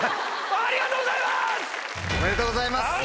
ありがとうございます。